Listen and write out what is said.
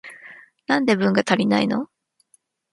なんで文が足りないの？